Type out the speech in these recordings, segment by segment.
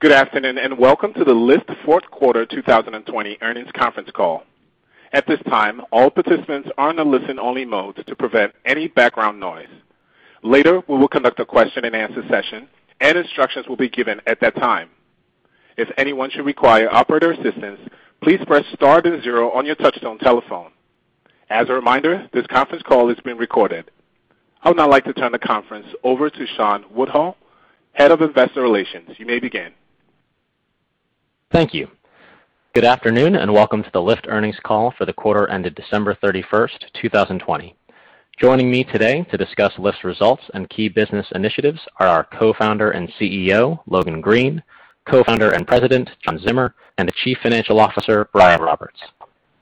Good afternoon, and welcome to the Lyft fourth quarter 2020 earnings conference call. At this time, all participants are in a listen-only mode to prevent any background noise. Later, we will conduct a question-and-answer session, and instructions will be given at that time. If anyone should require operator assistance, please press star then zero on your touch tone telephone. As a reminder, this conference call is being recorded. I would now like to turn the conference over to Shawn Woodhull, Head of Investor Relations. You may begin. Thank you. Good afternoon, welcome to the Lyft earnings call for the quarter ended December 31st, 2020. Joining me today to discuss Lyft's results and key business initiatives are our Co-founder and CEO, Logan Green, Co-founder and President, John Zimmer, and the Chief Financial Officer, Brian Roberts.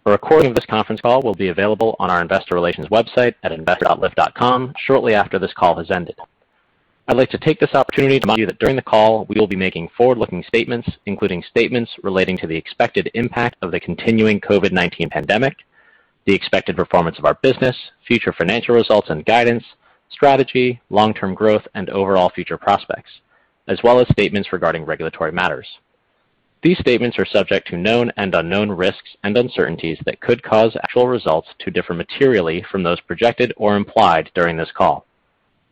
A recording of this conference call will be available on our investor relations website at investor.lyft.com shortly after this call has ended. I'd like to take this opportunity to remind you that during the call, we will be making forward-looking statements, including statements relating to the expected impact of the continuing COVID-19 pandemic, the expected performance of our business, future financial results and guidance, strategy, long-term growth and overall future prospects, as well as statements regarding regulatory matters. These statements are subject to known and unknown risks and uncertainties that could cause actual results to differ materially from those projected or implied during this call.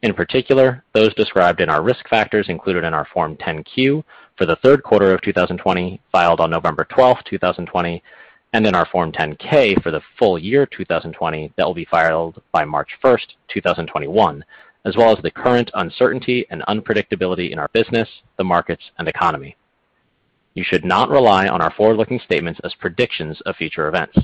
In particular, those described in our risk factors included in our Form 10-Q for the third quarter of 2020, filed on November 12, 2020, and in our Form 10-K for the full year 2020 that will be filed by March 1, 2021, as well as the current uncertainty and unpredictability in our business, the markets and economy. You should not rely on our forward-looking statements as predictions of future events.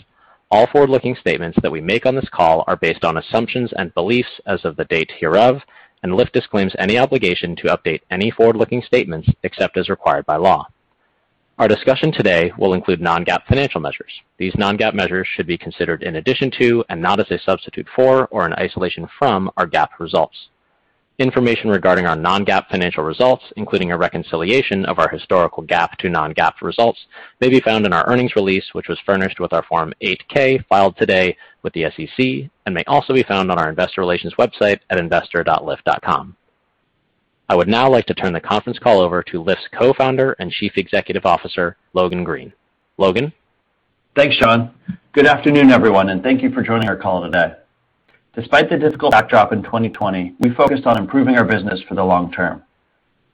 All forward-looking statements that we make on this call are based on assumptions and beliefs as of the date hereof, and Lyft disclaims any obligation to update any forward-looking statements except as required by law. Our discussion today will include non-GAAP financial measures. These non-GAAP measures should be considered in addition to, and not as a substitute for or in isolation from, our GAAP results. Information regarding our non-GAAP financial results, including a reconciliation of our historical GAAP to non-GAAP results, may be found in our earnings release, which was furnished with our Form 8-K filed today with the SEC and may also be found on our investor relations website at investor.lyft.com. I would now like to turn the conference call over to Lyft's Co-founder and Chief Executive Officer, Logan Green. Logan? Thanks, Shawn. Good afternoon, everyone, and thank you for joining our call today. Despite the difficult backdrop in 2020, we focused on improving our business for the long term.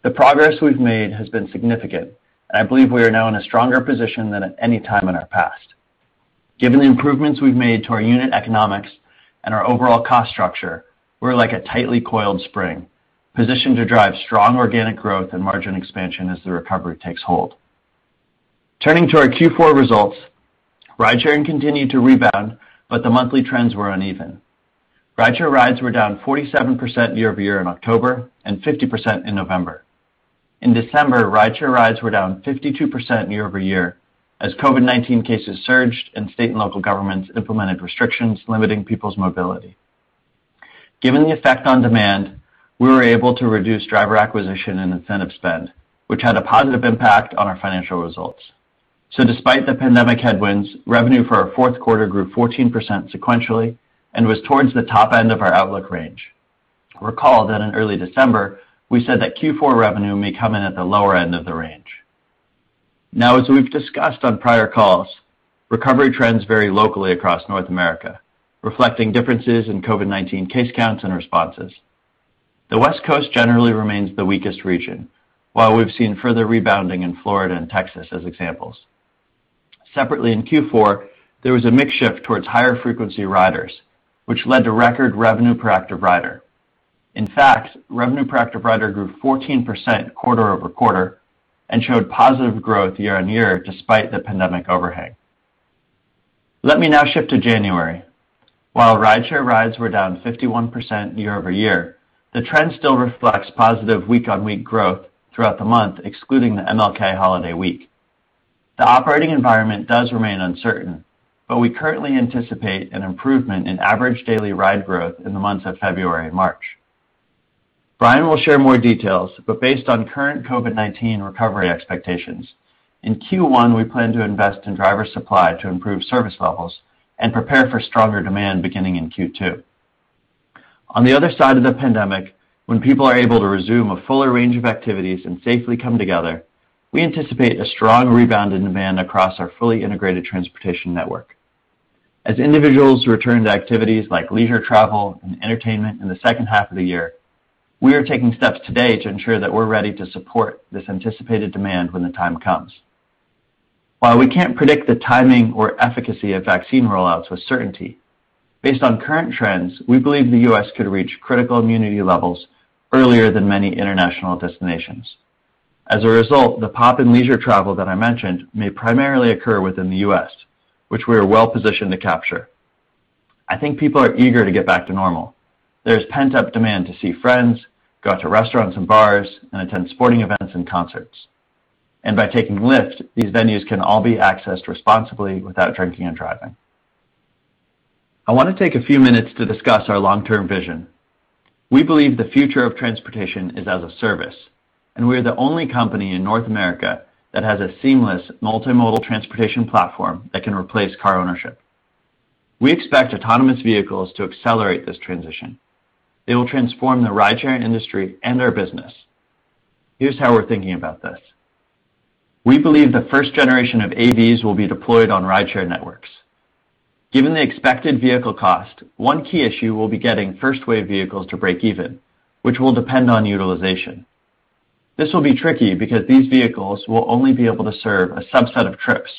The progress we've made has been significant, and I believe we are now in a stronger position than at any time in our past. Given the improvements we've made to our unit economics and our overall cost structure, we're like a tightly coiled spring, positioned to drive strong organic growth and margin expansion as the recovery takes hold. Turning to our Q4 results, ridesharing continued to rebound, but the monthly trends were uneven. Rideshare rides were down 47% year-over-year in October and 50% in November. In December, rideshare rides were down 52% year-over-year as COVID-19 cases surged and state and local governments implemented restrictions limiting people's mobility. Given the effect on demand, we were able to reduce driver acquisition and incentive spend, which had a positive impact on our financial results. Despite the pandemic headwinds, revenue for our fourth quarter grew 14% sequentially and was towards the top end of our outlook range. Recall that in early December, we said that Q4 revenue may come in at the lower end of the range. As we've discussed on prior calls, recovery trends vary locally across North America, reflecting differences in COVID-19 case counts and responses. The West Coast generally remains the weakest region, while we've seen further rebounding in Florida and Texas as examples. Separately, in Q4, there was a mix shift towards higher-frequency riders, which led to record revenue per active rider. In fact, revenue per active rider grew 14% quarter-over-quarter and showed positive growth year-on-year despite the pandemic overhang. Let me now shift to January. While rideshare rides were down 51% year-over-year, the trend still reflects positive week-on-week growth throughout the month, excluding the MLK holiday week. The operating environment does remain uncertain, we currently anticipate an improvement in average daily ride growth in the months of February and March. Brian will share more details, based on current COVID-19 recovery expectations, in Q1, we plan to invest in driver supply to improve service levels and prepare for stronger demand beginning in Q2. On the other side of the pandemic, when people are able to resume a fuller range of activities and safely come together, we anticipate a strong rebound in demand across our fully integrated transportation network. As individuals return to activities like leisure travel and entertainment in the second half of the year, we are taking steps today to ensure that we're ready to support this anticipated demand when the time comes. While we can't predict the timing or efficacy of vaccine rollouts with certainty, based on current trends, we believe the U.S. could reach critical immunity levels earlier than many international destinations. As a result, the pop in leisure travel that I mentioned may primarily occur within the U.S., which we are well-positioned to capture. I think people are eager to get back to normal. There is pent-up demand to see friends, go out to restaurants and bars, and attend sporting events and concerts. By taking Lyft, these venues can all be accessed responsibly without drinking and driving. I want to take a few minutes to discuss our long-term vision. We believe the future of transportation is as a service. We are the only company in North America that has a seamless multimodal transportation platform that can replace car ownership. We expect autonomous vehicles to accelerate this transition. They will transform the rideshare industry and our business. Here's how we're thinking about this. We believe the first generation of AVs will be deployed on rideshare networks. Given the expected vehicle cost, one key issue will be getting first-wave vehicles to break even, which will depend on utilization. This will be tricky because these vehicles will only be able to serve a subset of trips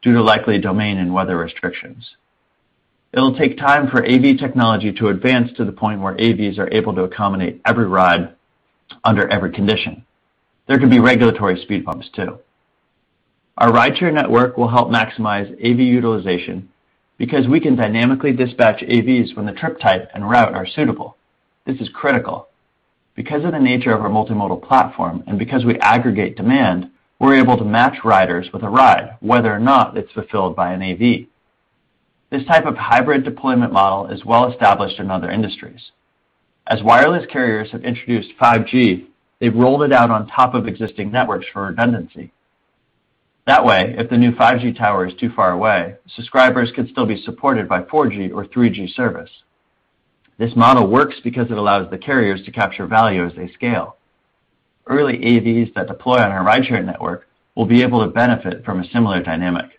due to likely domain and weather restrictions. It'll take time for AV technology to advance to the point where AVs are able to accommodate every ride under every condition. There could be regulatory speed bumps, too. Our rideshare network will help maximize AV utilization because we can dynamically dispatch AVs when the trip type and route are suitable. This is critical. Because of the nature of our multimodal platform and because we aggregate demand, we're able to match riders with a ride, whether or not it's fulfilled by an AV. This type of hybrid deployment model is well-established in other industries. As wireless carriers have introduced 5G, they've rolled it out on top of existing networks for redundancy. That way, if the new 5G tower is too far away, subscribers can still be supported by 4G or 3G service. This model works because it allows the carriers to capture value as they scale. Early AVs that deploy on our rideshare network will be able to benefit from a similar dynamic.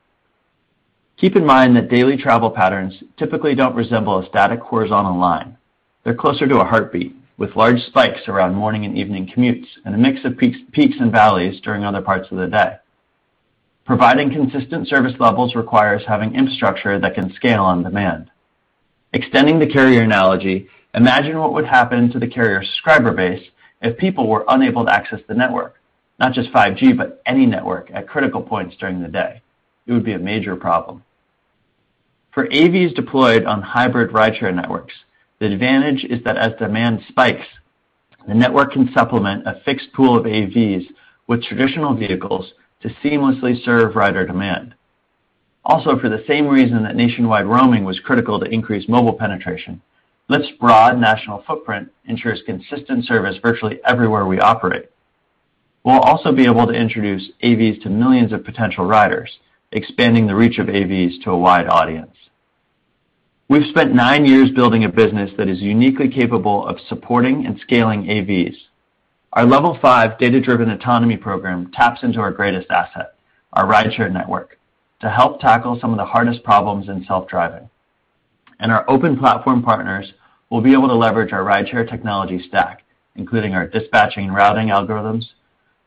Keep in mind that daily travel patterns typically don't resemble a static horizontal line. They're closer to a heartbeat, with large spikes around morning and evening commutes, and a mix of peaks and valleys during other parts of the day. Providing consistent service levels requires having infrastructure that can scale on demand. Extending the carrier analogy, imagine what would happen to the carrier subscriber base if people were unable to access the network, not just 5G, but any network, at critical points during the day. It would be a major problem. For AVs deployed on hybrid rideshare networks, the advantage is that as demand spikes, the network can supplement a fixed pool of AVs with traditional vehicles to seamlessly serve rider demand. Also, for the same reason that nationwide roaming was critical to increase mobile penetration, Lyft's broad national footprint ensures consistent service virtually everywhere we operate. We'll also be able to introduce AVs to millions of potential riders, expanding the reach of AVs to a wide audience. We've spent nine years building a business that is uniquely capable of supporting and scaling AVs. Our Level 5 data-driven autonomy program taps into our greatest asset, our rideshare network, to help tackle some of the hardest problems in self-driving. Our open platform partners will be able to leverage our rideshare technology stack, including our dispatching routing algorithms,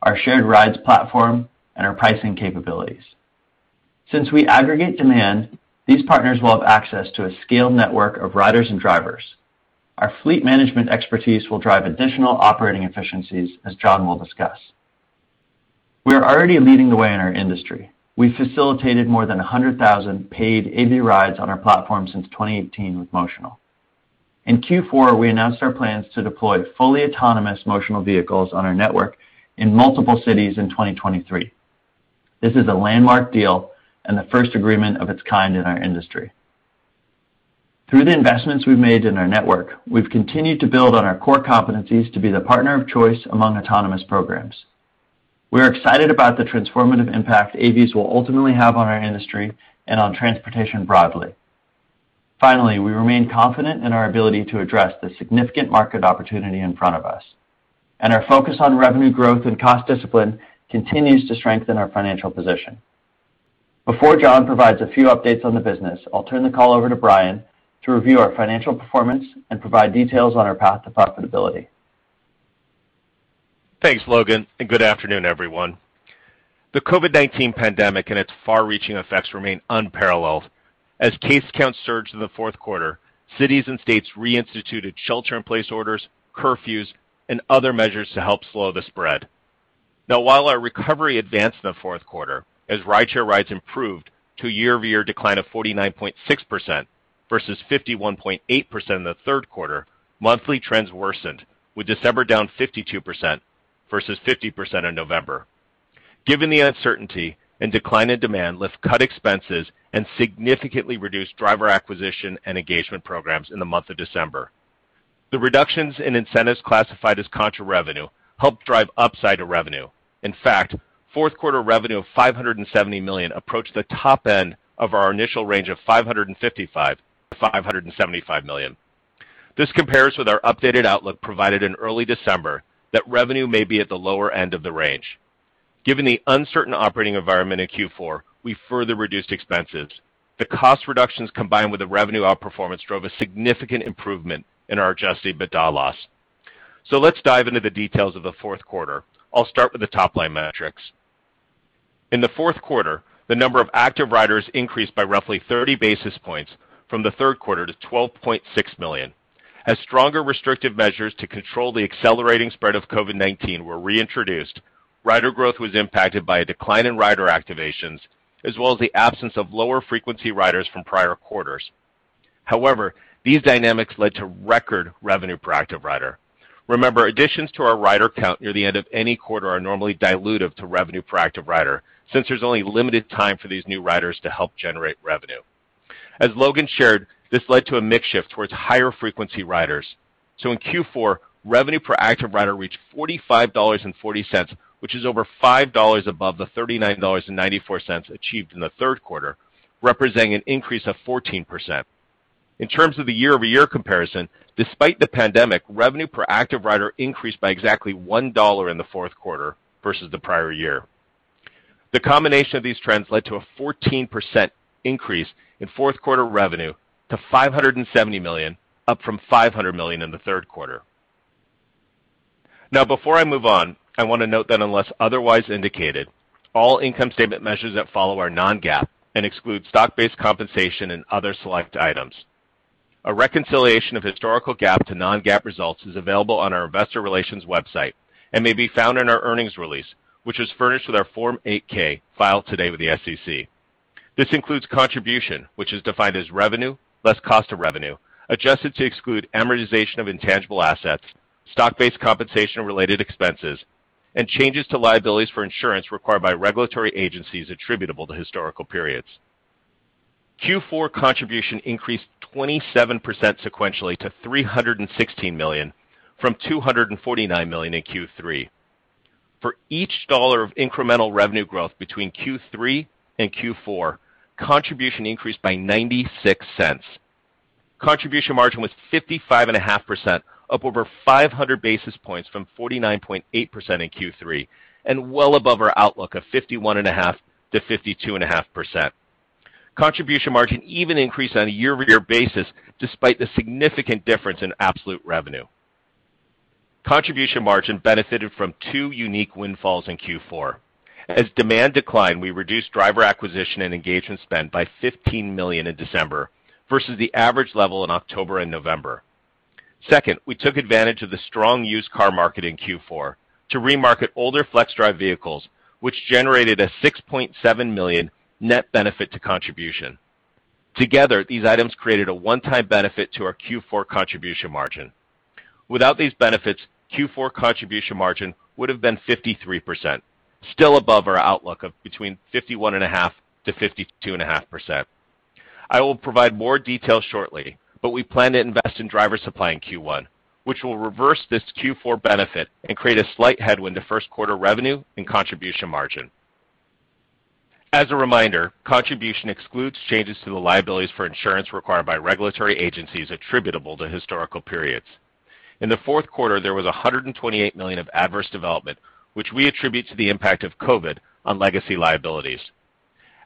our shared rides platform, and our pricing capabilities. Since we aggregate demand, these partners will have access to a scaled network of riders and drivers. Our fleet management expertise will drive additional operating efficiencies, as John will discuss. We are already leading the way in our industry. We facilitated more than 100,000 paid AV rides on our platform since 2018 with Motional. In Q4, we announced our plans to deploy fully autonomous Motional vehicles on our network in multiple cities in 2023. This is a landmark deal and the first agreement of its kind in our industry. Through the investments we've made in our network, we've continued to build on our core competencies to be the partner of choice among autonomous programs. We are excited about the transformative impact AVs will ultimately have on our industry and on transportation broadly. Finally, we remain confident in our ability to address the significant market opportunity in front of us. Our focus on revenue growth and cost discipline continues to strengthen our financial position. Before John provides a few updates on the business, I'll turn the call over to Brian to review our financial performance and provide details on our path to profitability. Thanks, Logan. Good afternoon, everyone. The COVID-19 pandemic and its far-reaching effects remain unparalleled. As case counts surged in the fourth quarter, cities and states reinstituted shelter-in-place orders, curfews, and other measures to help slow the spread. While our recovery advanced in the fourth quarter as rideshare rides improved to a year-over-year decline of 49.6% versus 51.8% in the third quarter, monthly trends worsened, with December down 52% versus 50% in November. Given the uncertainty and decline in demand, Lyft cut expenses and significantly reduced driver acquisition and engagement programs in the month of December. The reductions in incentives classified as contra revenue helped drive upside to revenue. In fact, fourth quarter revenue of $570 million approached the top end of our initial range of $555 million-$575 million. This compares with our updated outlook provided in early December that revenue may be at the lower end of the range. Given the uncertain operating environment in Q4, we further reduced expenses. The cost reductions combined with the revenue outperformance drove a significant improvement in our adjusted EBITDA loss. Let's dive into the details of the fourth quarter. I'll start with the top-line metrics. In the fourth quarter, the number of active riders increased by roughly 30 basis points from the third quarter to 12.6 million. As stronger restrictive measures to control the accelerating spread of COVID-19 were reintroduced, rider growth was impacted by a decline in rider activations as well as the absence of lower-frequency riders from prior quarters. However, these dynamics led to record revenue per active rider. Remember, additions to our rider count near the end of any quarter are normally dilutive to revenue per active rider since there's only limited time for these new riders to help generate revenue. As Logan shared, this led to a mix shift towards higher-frequency riders. In Q4, revenue per active rider reached $45.40, which is over $5 above the $39.94 achieved in the third quarter, representing an increase of 14%. In terms of the year-over-year comparison, despite the pandemic, revenue per active rider increased by exactly $1 in the fourth quarter versus the prior year. The combination of these trends led to a 14% increase in fourth quarter revenue to $570 million, up from $500 million in the third quarter. Now, before I move on, I want to note that unless otherwise indicated, all income statement measures that follow are non-GAAP and exclude stock-based compensation and other select items. A reconciliation of historical GAAP to non-GAAP results is available on our investor relations website and may be found in our earnings release, which was furnished with our Form 8-K filed today with the SEC. This includes contribution, which is defined as revenue less cost of revenue, adjusted to exclude amortization of intangible assets, stock-based compensation related expenses, and changes to liabilities for insurance required by regulatory agencies attributable to historical periods. Q4 contribution increased 27% sequentially to $316 million from $249 million in Q3. For each dollar of incremental revenue growth between Q3 and Q4, contribution increased by $0.96. Contribution margin was 55.5% up over 500 basis points from 49.8% in Q3, and well above our outlook of 51.5%-52.5%. Contribution margin even increased on a year-over-year basis, despite the significant difference in absolute revenue. Contribution margin benefited from two unique windfalls in Q4. As demand declined, we reduced driver acquisition and engagement spend by $15 million in December versus the average level in October and November. Second, we took advantage of the strong used car market in Q4 to remarket older Flexdrive vehicles, which generated a $6.7 million net benefit to contribution. Together, these items created a one-time benefit to our Q4 contribution margin. Without these benefits, Q4 contribution margin would have been 53%, still above our outlook of between 51.5%-52.5%. I will provide more detail shortly. We plan to invest in driver supply in Q1, which will reverse this Q4 benefit and create a slight headwind to first quarter revenue and contribution margin. As a reminder, contribution excludes changes to the liabilities for insurance required by regulatory agencies attributable to historical periods. In the fourth quarter, there was $128 million of adverse development, which we attribute to the impact of COVID-19 on legacy liabilities.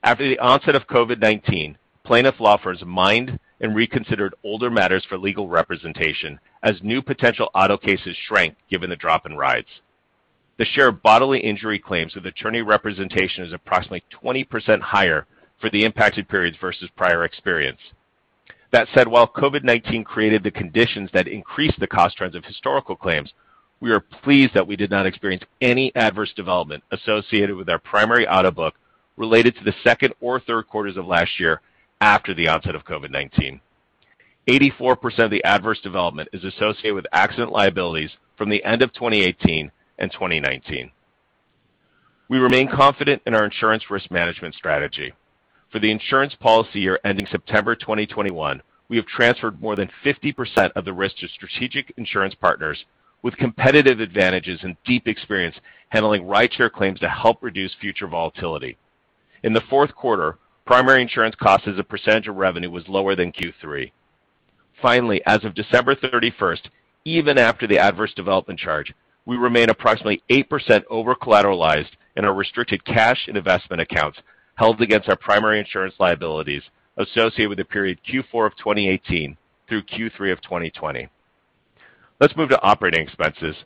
After the onset of COVID-19, plaintiff law firms mined and reconsidered older matters for legal representation as new potential auto cases shrank given the drop in rides. The share of bodily injury claims with attorney representation is approximately 20% higher for the impacted periods versus prior experience. That said, while COVID-19 created the conditions that increased the cost trends of historical claims, we are pleased that we did not experience any adverse development associated with our primary auto book related to the second or third quarters of last year after the onset of COVID-19. 84% of the adverse development is associated with accident liabilities from the end of 2018 and 2019. We remain confident in our insurance risk management strategy. For the insurance policy year ending September 2021, we have transferred more than 50% of the risk to strategic insurance partners with competitive advantages and deep experience handling rideshare claims to help reduce future volatility. In the fourth quarter, primary insurance cost as a percentage of revenue was lower than Q3. Finally, as of December 31st, even after the adverse development charge, we remain approximately 8% over-collateralized in our restricted cash and investment accounts held against our primary insurance liabilities associated with the period Q4 of 2018 through Q3 of 2020. Let's move to operating expenses.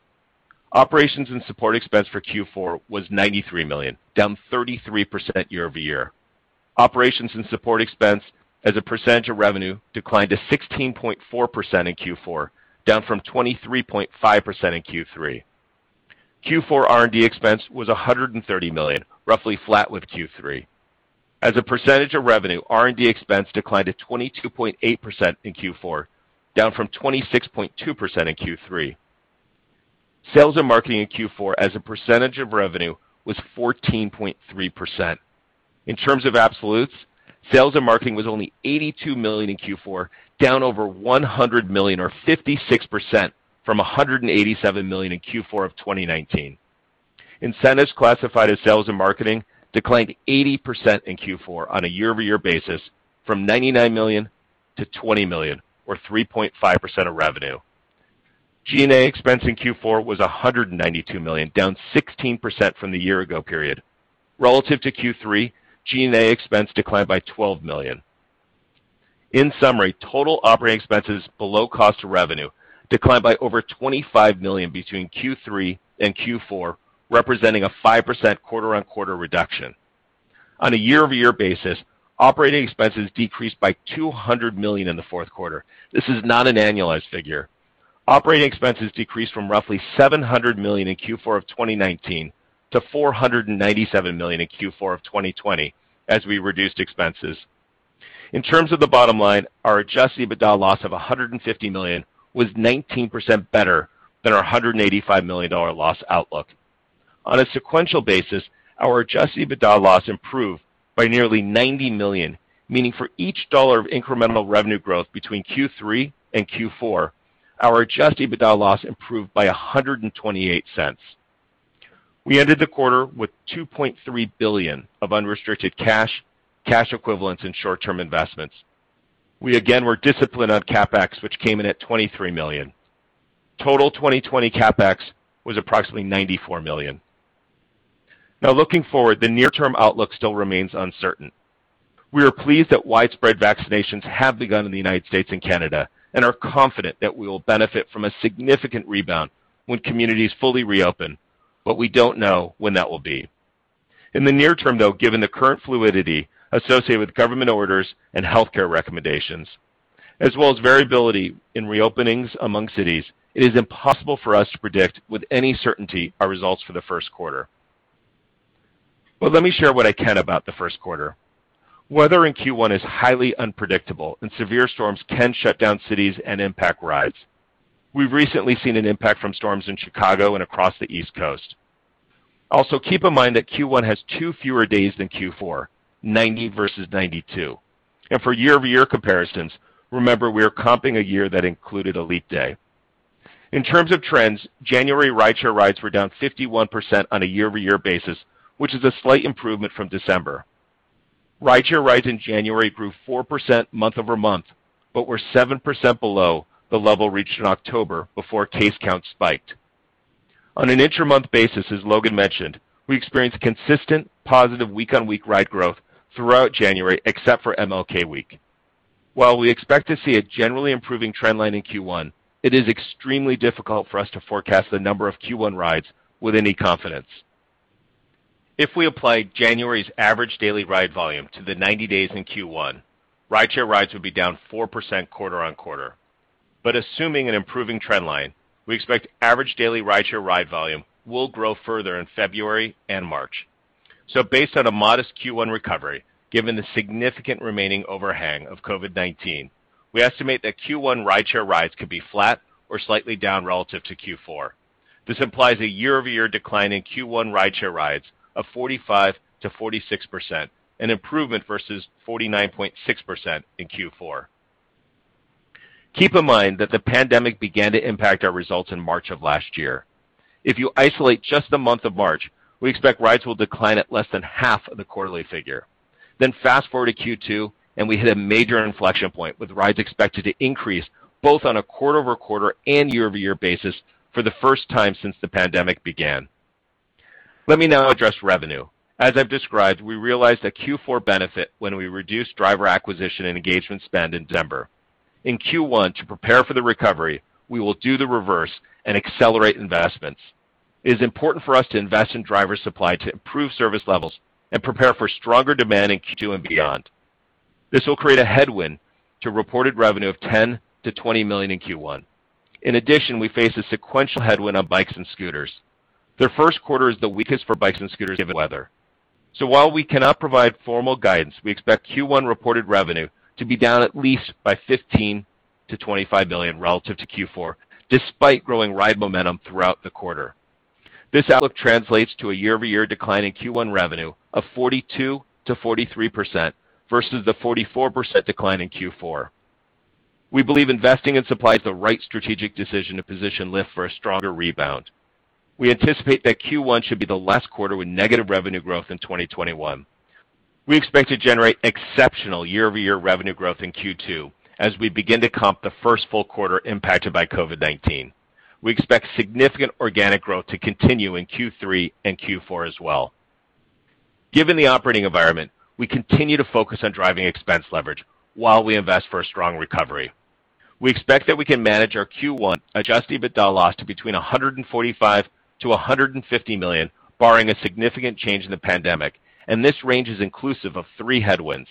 Operations and support expense for Q4 was $93 million, down 33% year-over-year. Operations and support expense as a percentage of revenue declined to 16.4% in Q4, down from 23.5% in Q3. Q4 R&D expense was $130 million, roughly flat with Q3. As a percentage of revenue, R&D expense declined to 22.8% in Q4, down from 26.2% in Q3. Sales and marketing in Q4 as a percentage of revenue was 14.3%. In terms of absolutes, sales and marketing was only $82 million in Q4, down over $100 million or 56% from $187 million in Q4 of 2019. Incentives classified as sales and marketing declined 80% in Q4 on a year-over-year basis from $99 million to $20 million or 3.5% of revenue. G&A expense in Q4 was $192 million, down 16% from the year ago period. Relative to Q3, G&A expense declined by $12 million. In summary, total operating expenses below cost of revenue declined by over $25 million between Q3 and Q4, representing a 5% quarter-on-quarter reduction. On a year-over-year basis, operating expenses decreased by $200 million in the fourth quarter. This is not an annualized figure. Operating expenses decreased from roughly $700 million in Q4 of 2019 to $497 million in Q4 of 2020 as we reduced expenses. In terms of the bottom line, our adjusted EBITDA loss of $150 million was 19% better than our $185 million loss outlook. On a sequential basis, our adjusted EBITDA loss improved by nearly $90 million, meaning for each dollar of incremental revenue growth between Q3 and Q4, our adjusted EBITDA loss improved by $1.28. We ended the quarter with $2.3 billion of unrestricted cash equivalents, and short-term investments. We again were disciplined on CapEx, which came in at $23 million. Total 2020 CapEx was approximately $94 million. Looking forward, the near-term outlook still remains uncertain. We are pleased that widespread vaccinations have begun in the United States and Canada, and are confident that we will benefit from a significant rebound when communities fully reopen, but we don't know when that will be. In the near term, though, given the current fluidity associated with government orders and healthcare recommendations, as well as variability in reopenings among cities, it is impossible for us to predict with any certainty our results for the first quarter. Let me share what I can about the first quarter. Weather in Q1 is highly unpredictable, and severe storms can shut down cities and impact rides. We've recently seen an impact from storms in Chicago and across the East Coast. Also, keep in mind that Q1 has two fewer days than Q4, 90 versus 92. For year-over-year comparisons, remember, we are comping a year that included a leap day. In terms of trends, January rideshare rides were down 51% on a year-over-year basis, which is a slight improvement from December. Rideshare rides in January grew 4% month-over-month, but were 7% below the level reached in October before case counts spiked. On an intra-month basis, as Logan mentioned, we experienced consistent positive week-on-week ride growth throughout January, except for MLK week. While we expect to see a generally improving trend line in Q1, it is extremely difficult for us to forecast the number of Q1 rides with any confidence. If we apply January's average daily ride volume to the 90 days in Q1, rideshare rides would be down 4% quarter-on-quarter. Assuming an improving trend line, we expect average daily rideshare ride volume will grow further in February and March. Based on a modest Q1 recovery, given the significant remaining overhang of COVID-19, we estimate that Q1 rideshare rides could be flat or slightly down relative to Q4. This implies a year-over-year decline in Q1 rideshare rides of 45%-46%, an improvement versus 49.6% in Q4. Keep in mind that the pandemic began to impact our results in March of last year. If you isolate just the month of March, we expect rides will decline at less than half of the quarterly figure. Fast-forward to Q2, and we hit a major inflection point, with rides expected to increase both on a quarter-over-quarter and year-over-year basis for the first time since the pandemic began. Let me now address revenue. As I've described, we realized a Q4 benefit when we reduced driver acquisition and engagement spend in December. In Q1, to prepare for the recovery, we will do the reverse and accelerate investments. It is important for us to invest in driver supply to improve service levels and prepare for stronger demand in Q2 and beyond. This will create a headwind to reported revenue of $10 million-$20 million in Q1. In addition, we face a sequential headwind on bikes and scooters. The first quarter is the weakest for bikes and scooters given weather. While we cannot provide formal guidance, we expect Q1 reported revenue to be down at least by $15 million-$25 million relative to Q4, despite growing ride momentum throughout the quarter. This outlook translates to a year-over-year decline in Q1 revenue of 42%-43% versus the 44% decline in Q4. We believe investing in supply is the right strategic decision to position Lyft for a stronger rebound. We anticipate that Q1 should be the last quarter with negative revenue growth in 2021. We expect to generate exceptional year-over-year revenue growth in Q2 as we begin to comp the first full quarter impacted by COVID-19. We expect significant organic growth to continue in Q3 and Q4 as well. Given the operating environment, we continue to focus on driving expense leverage while we invest for a strong recovery. We expect that we can manage our Q1 adjusted EBITDA loss to between $145 million-$150 million, barring a significant change in the pandemic, and this range is inclusive of three headwinds.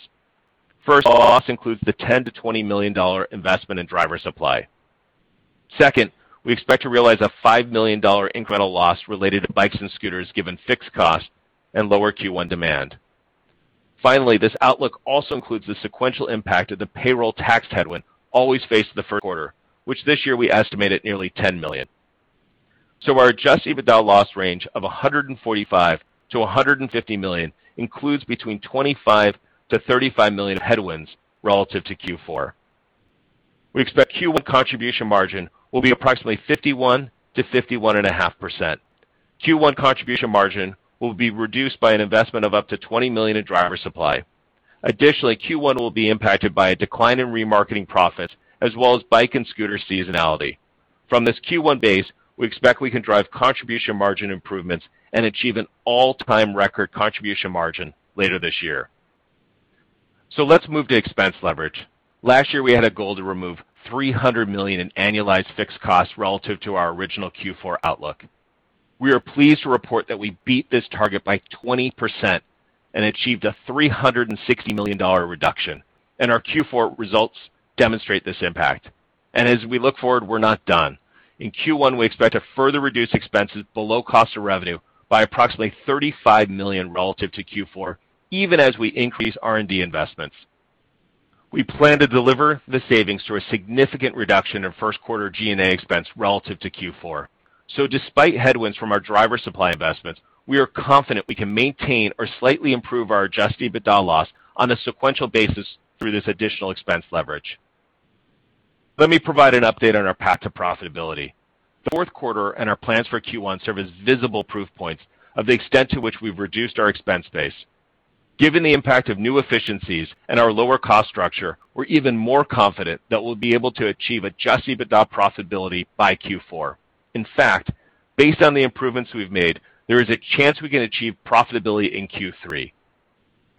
First, loss includes the $10 million-$20 million investment in driver supply. Second, we expect to realize a $5 million incremental loss related to bikes and scooters given fixed cost and lower Q1 demand. This outlook also includes the sequential impact of the payroll tax headwind always faced in the first quarter, which this year we estimate at nearly $10 million. Our adjusted EBITDA loss range of $145 million-$150 million includes between $25 million-$35 million headwinds relative to Q4. We expect Q1 contribution margin will be approximately 51%-51.5%. Q1 contribution margin will be reduced by an investment of up to $20 million in driver supply. Q1 will be impacted by a decline in remarketing profits as well as bike and scooter seasonality. From this Q1 base, we expect we can drive contribution margin improvements and achieve an all-time record contribution margin later this year. Let's move to expense leverage. Last year, we had a goal to remove $300 million in annualized fixed costs relative to our original Q4 outlook. We are pleased to report that we beat this target by 20% and achieved a $360 million reduction. Our Q4 results demonstrate this impact. As we look forward, we're not done. In Q1, we expect to further reduce expenses below cost of revenue by approximately $35 million relative to Q4, even as we increase R&D investments. We plan to deliver the savings through a significant reduction in first quarter G&A expense relative to Q4. Despite headwinds from our driver supply investments, we are confident we can maintain or slightly improve our adjusted EBITDA loss on a sequential basis through this additional expense leverage. Let me provide an update on our path to profitability. The fourth quarter and our plans for Q1 serve as visible proof points of the extent to which we've reduced our expense base. Given the impact of new efficiencies and our lower cost structure, we're even more confident that we'll be able to achieve adjusted EBITDA profitability by Q4. In fact, based on the improvements we've made, there is a chance we can achieve profitability in Q3.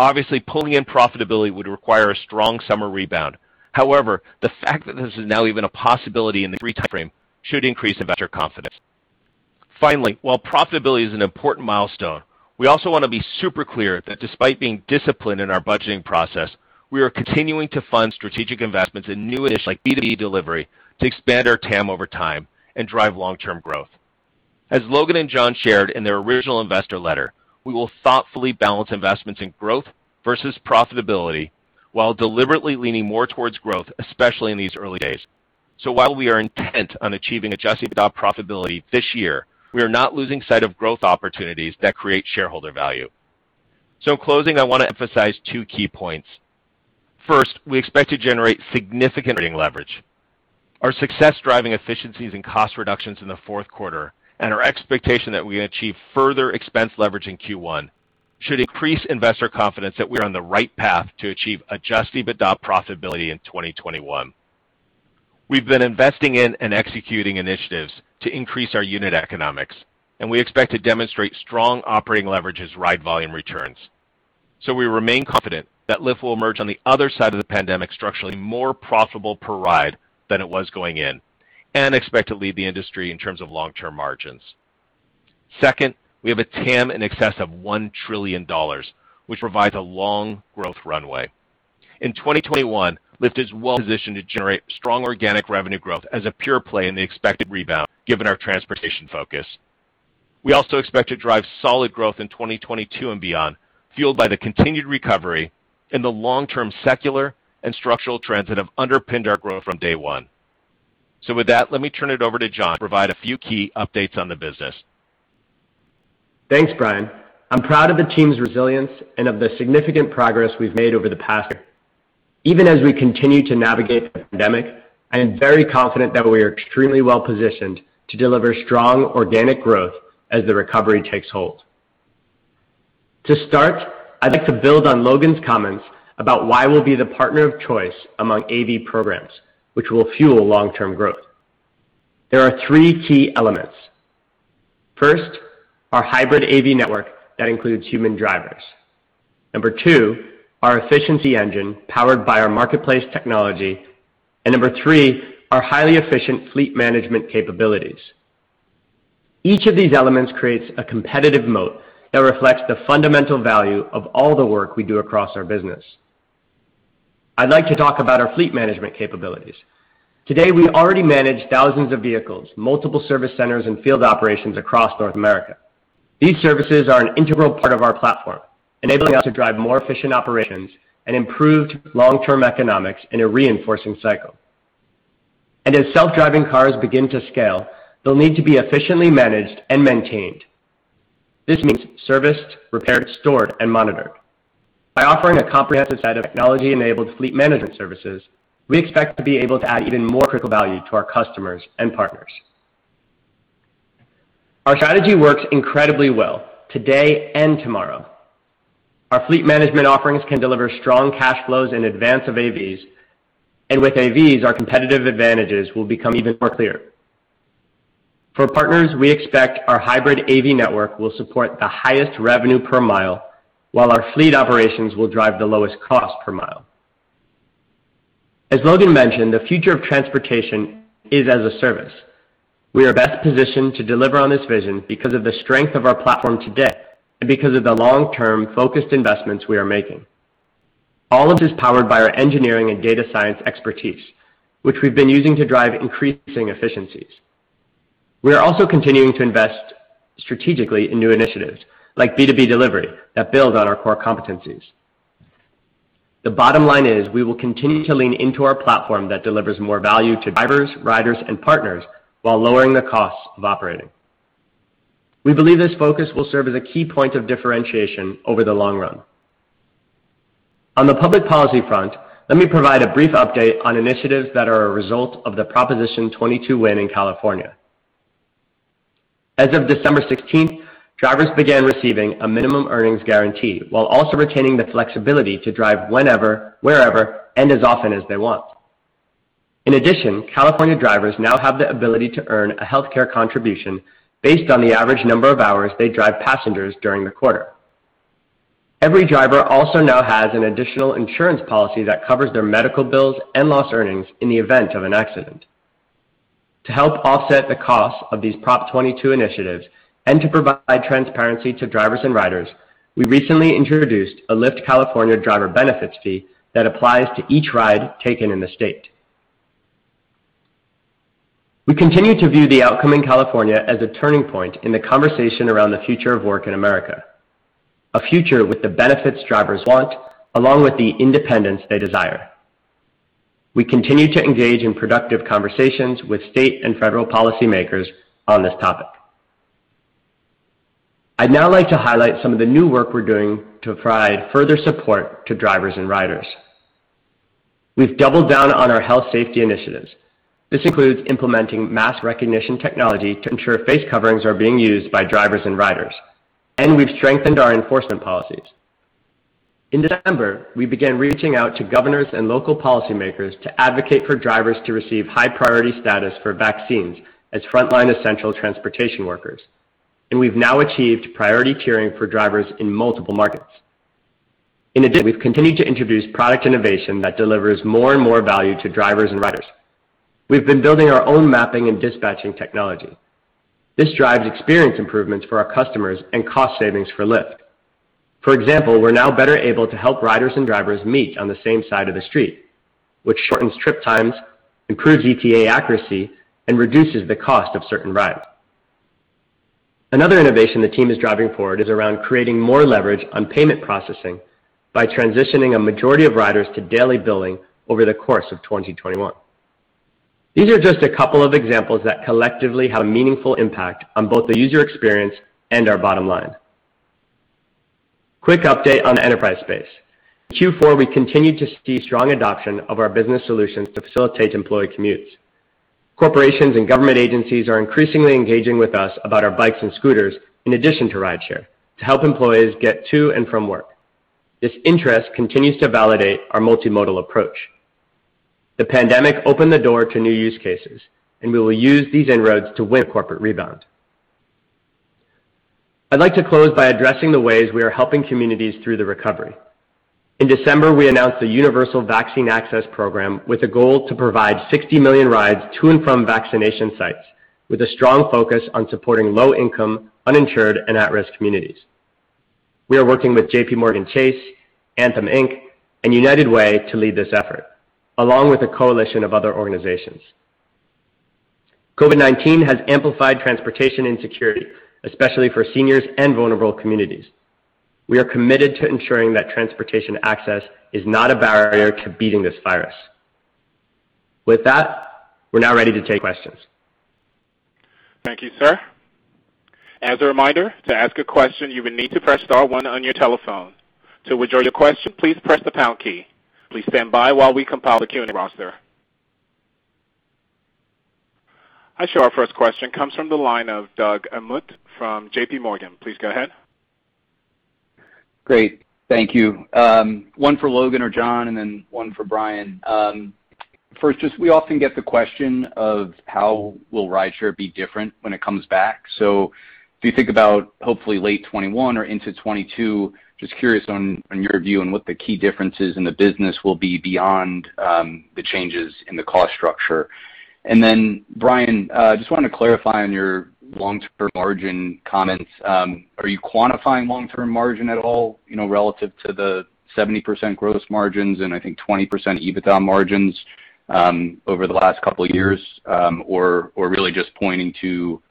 Obviously, pulling in profitability would require a strong summer rebound. The fact that this is now even a possibility in the three timeframe should increase investor confidence. Finally, while profitability is an important milestone, we also want to be super clear that despite being disciplined in our budgeting process, we are continuing to fund strategic investments in new initiatives like B2B delivery to expand our TAM over time and drive long-term growth. As Logan and John shared in their original investor letter, we will thoughtfully balance investments in growth versus profitability while deliberately leaning more towards growth, especially in these early days. While we are intent on achieving adjusted EBITDA profitability this year, we are not losing sight of growth opportunities that create shareholder value. In closing, I want to emphasize two key points. First, we expect to generate significant leverage. Our success driving efficiencies and cost reductions in the fourth quarter, and our expectation that we achieve further expense leverage in Q1, should increase investor confidence that we are on the right path to achieve adjusted EBITDA profitability in 2021. We've been investing in and executing initiatives to increase our unit economics, and we expect to demonstrate strong operating leverage as ride volume returns. We remain confident that Lyft will emerge on the other side of the pandemic structurally more profitable per ride than it was going in, and expect to lead the industry in terms of long-term margins. Second, we have a TAM in excess of $1 trillion, which provides a long growth runway. In 2021, Lyft is well-positioned to generate strong organic revenue growth as a pure play in the expected rebound given our transportation focus. We also expect to drive solid growth in 2022 and beyond, fueled by the continued recovery and the long-term secular and structural trends that have underpinned our growth from day one. With that, let me turn it over to John to provide a few key updates on the business. Thanks, Brian. I'm proud of the team's resilience and of the significant progress we've made over the past year. Even as we continue to navigate the pandemic, I am very confident that we are extremely well-positioned to deliver strong organic growth as the recovery takes hold. To start, I'd like to build on Logan's comments about why we'll be the partner of choice among AV programs, which will fuel long-term growth. There are three key elements. First, our hybrid AV network that includes human drivers. Number two, our efficiency engine powered by our marketplace technology. Number three, our highly efficient fleet management capabilities. Each of these elements creates a competitive moat that reflects the fundamental value of all the work we do across our business. I'd like to talk about our fleet management capabilities. Today, we already manage thousands of vehicles, multiple service centers, and field operations across North America. These services are an integral part of our platform, enabling us to drive more efficient operations and improved long-term economics in a reinforcing cycle. As self-driving cars begin to scale, they'll need to be efficiently managed and maintained. This means serviced, repaired, stored, and monitored. By offering a comprehensive set of technology-enabled fleet management services, we expect to be able to add even more critical value to our customers and partners. Our strategy works incredibly well today and tomorrow. Our fleet management offerings can deliver strong cash flows in advance of AVs, and with AVs, our competitive advantages will become even more clear. For partners, we expect our hybrid AV network will support the highest revenue per mile, while our fleet operations will drive the lowest cost per mile. As Logan mentioned, the future of transportation is as a service. We are best positioned to deliver on this vision because of the strength of our platform today and because of the long-term, focused investments we are making. All of this is powered by our engineering and data science expertise, which we've been using to drive increasing efficiencies. We are also continuing to invest strategically in new initiatives, like B2B delivery, that build on our core competencies. The bottom line is we will continue to lean into our platform that delivers more value to drivers, riders, and partners while lowering the costs of operating. We believe this focus will serve as a key point of differentiation over the long run. On the public policy front, let me provide a brief update on initiatives that are a result of the Proposition 22 win in California. As of December 16th, drivers began receiving a minimum earnings guarantee while also retaining the flexibility to drive whenever, wherever, and as often as they want. In addition, California drivers now have the ability to earn a healthcare contribution based on the average number of hours they drive passengers during the quarter. Every driver also now has an additional insurance policy that covers their medical bills and lost earnings in the event of an accident. To help offset the cost of these Prop 22 initiatives and to provide transparency to drivers and riders, we recently introduced a Lyft California Driver Benefits Fee that applies to each ride taken in the state. We continue to view the outcome in California as a turning point in the conversation around the future of work in America. A future with the benefits drivers want, along with the independence they desire. We continue to engage in productive conversations with state and federal policymakers on this topic. I'd now like to highlight some of the new work we're doing to provide further support to drivers and riders. We've doubled down on our health safety initiatives. This includes implementing mask recognition technology to ensure face coverings are being used by drivers and riders. We've strengthened our enforcement policies. In December, we began reaching out to governors and local policymakers to advocate for drivers to receive high-priority status for vaccines as frontline essential transportation workers. We've now achieved priority tiering for drivers in multiple markets. In addition, we've continued to introduce product innovation that delivers more and more value to drivers and riders. We've been building our own mapping and dispatching technology. This drives experience improvements for our customers and cost savings for Lyft. For example, we're now better able to help riders and drivers meet on the same side of the street, which shortens trip times, improves ETA accuracy, and reduces the cost of certain rides. Another innovation the team is driving forward is around creating more leverage on payment processing by transitioning a majority of riders to daily billing over the course of 2021. These are just a couple of examples that collectively have a meaningful impact on both the user experience and our bottom line. Quick update on the enterprise space. In Q4, we continued to see strong adoption of our business solutions to facilitate employee commutes. Corporations and government agencies are increasingly engaging with us about our bikes and scooters in addition to rideshare to help employees get to and from work. This interest continues to validate our multimodal approach. The pandemic opened the door to new use cases, and we will use these inroads to win corporate rebound. I'd like to close by addressing the ways we are helping communities through the recovery. In December, we announced a universal vaccine access program with a goal to provide 60 million rides to and from vaccination sites, with a strong focus on supporting low-income, uninsured, and at-risk communities. We are working with JPMorgan Chase, Anthem, Inc., and United Way to lead this effort, along with a coalition of other organizations. COVID-19 has amplified transportation insecurity, especially for seniors and vulnerable communities. We are committed to ensuring that transportation access is not a barrier to beating this virus. With that, we're now ready to take questions. Thank you, sir. As a reminder, to ask a question, you will need to press star one on your telephone. To withdraw your question, please press the pound key. Please stand by while we compile the Q&A roster. I show our first question comes from the line of Doug Anmuth from JPMorgan. Please go ahead. Great. Thank you. One for Logan or John and then one for Brian. First, we often get the question of how will rideshare be different when it comes back. If you think about hopefully late 2021 or into 2022, just curious on your view on what the key differences in the business will be beyond the changes in the cost structure. Then Brian, just wanted to clarify on your long-term margin comments. Are you quantifying long-term margin at all relative to the 70% gross margins and I think 20% EBITDA margins over the last couple of years? Or really just pointing to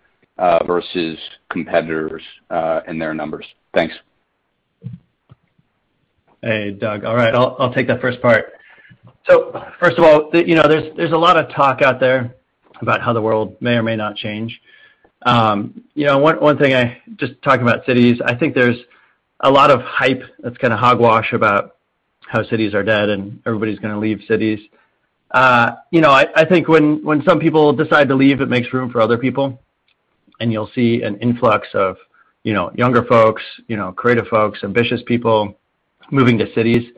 versus competitors and their numbers? Thanks. Hey, Doug. All right, I'll take that first part. First of all, there's a lot of talk out there about how the world may or may not change. One thing, just talking about cities, I think there's a lot of hype that's kind of hogwash about how cities are dead and everybody's going to leave cities. I think when some people decide to leave, it makes room for other people, and you'll see an influx of younger folks, creative folks, ambitious people moving to cities.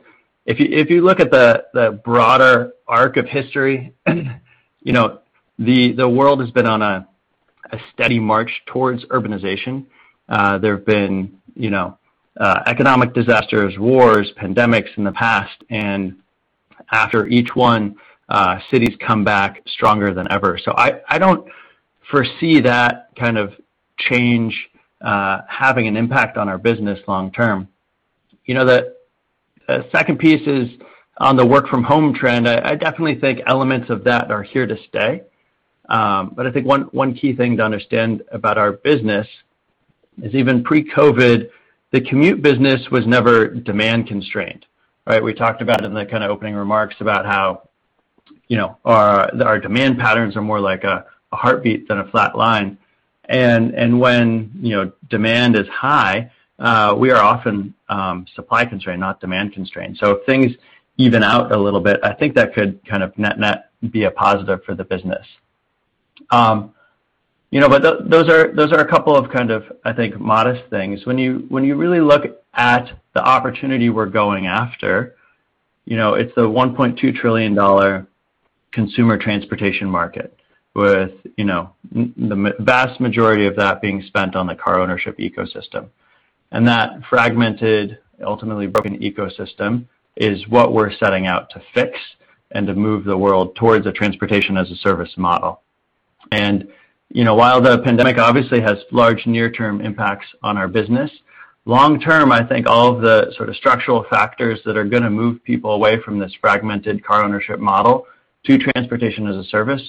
If you look at the broader arc of history, the world has been on a steady march towards urbanization. There have been economic disasters, wars, pandemics in the past, and after each one, cities come back stronger than ever. I don't foresee that kind of change having an impact on our business long-term. The second piece is on the work-from-home trend. I definitely think elements of that are here to stay, I think one key thing to understand about our business is even pre-COVID, the commute business was never demand-constrained, right? We talked about it in the kind of opening remarks about how our demand patterns are more like a heartbeat than a flat line. When demand is high, we are often supply-constrained, not demand-constrained. If things even out a little bit, I think that could kind of net be a positive for the business. Those are a couple of kind of, I think, modest things. When you really look at the opportunity we're going after, it's the $1.2 trillion consumer transportation market with the vast majority of that being spent on the car ownership ecosystem. That fragmented, ultimately broken ecosystem is what we're setting out to fix and to move the world towards a transportation-as-a-service model. While the pandemic obviously has large near-term impacts on our business Long term, I think all of the sort of structural factors that are going to move people away from this fragmented car ownership model to transportation as a service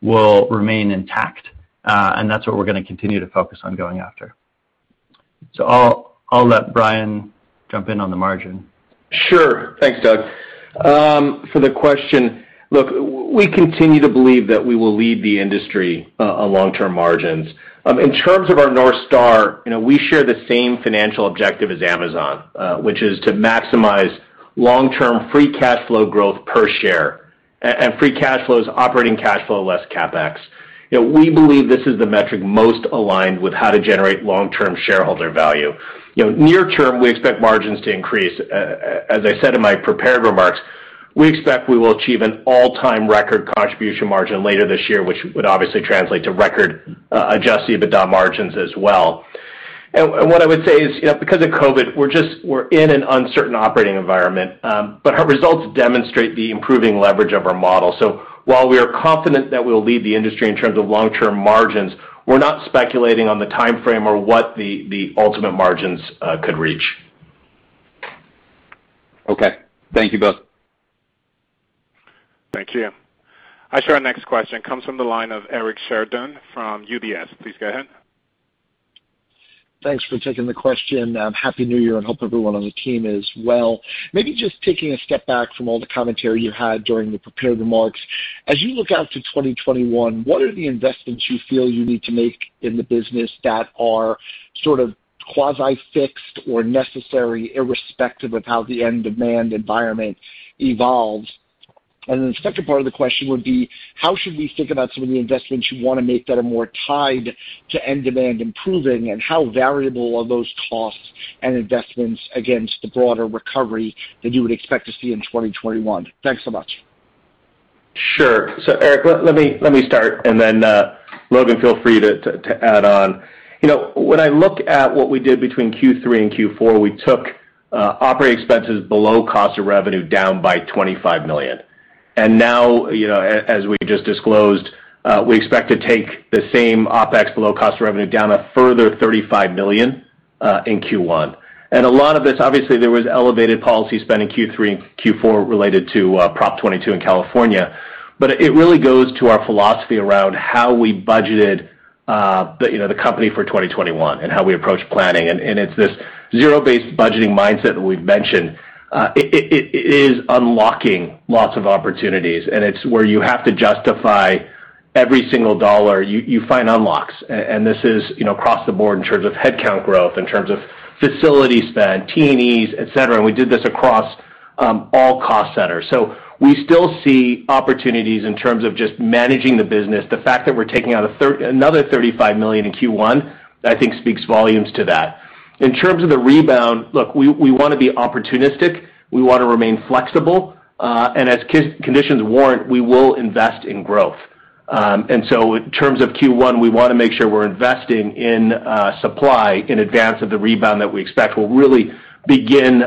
will remain intact, and that's what we're going to continue to focus on going after. I'll let Brian jump in on the margin. Sure. Thanks, Doug. For the question, look, we continue to believe that we will lead the industry on long-term margins. In terms of our North Star, we share the same financial objective as Amazon, which is to maximize long-term free cash flow growth per share. Free cash flow is operating cash flow less CapEx. We believe this is the metric most aligned with how to generate long-term shareholder value. Near term, we expect margins to increase. As I said in my prepared remarks, we expect we will achieve an all-time record contribution margin later this year, which would obviously translate to record adjusted EBITDA margins as well. What I would say is, because of COVID-19, we're in an uncertain operating environment. Our results demonstrate the improving leverage of our model. While we are confident that we'll lead the industry in terms of long-term margins, we're not speculating on the timeframe or what the ultimate margins could reach. Okay. Thank you both. Thank you. I show our next question comes from the line of Eric Sheridan from UBS. Please go ahead. Thanks for taking the question. Happy New Year, and hope everyone on the team is well. Maybe just taking a step back from all the commentary you had during the prepared remarks, as you look out to 2021, what are the investments you feel you need to make in the business that are sort of quasi-fixed or necessary, irrespective of how the end demand environment evolves? The second part of the question would be, how should we think about some of the investments you want to make that are more tied to end demand improving, and how variable are those costs and investments against the broader recovery that you would expect to see in 2021? Thanks so much. Sure. Eric, let me start, and then Logan, feel free to add on. When I look at what we did between Q3 and Q4, we took operating expenses below cost of revenue down by $25 million. Now, as we just disclosed, we expect to take the same OpEx below cost of revenue down a further $35 million in Q1. And a lot of this obviously, there was elevated policy spending in Q3 and Q4 related to Prop 22 in California, it really goes to our philosophy around how we budgeted the company for 2021 and how we approach planning. It's this zero-based budgeting mindset that we've mentioned. It is unlocking lots of opportunities, and it's where you have to justify every single dollar you find unlocks. This is across the board in terms of headcount growth, in terms of facility spend, T&Es, et cetera, and we did this across all cost centers. We still see opportunities in terms of just managing the business. The fact that we're taking out another $35 million in Q1, I think speaks volumes to that. In terms of the rebound, look, we want to be opportunistic. We want to remain flexible. As conditions warrant, we will invest in growth. In terms of Q1, we want to make sure we're investing in supply in advance of the rebound that we expect will really begin.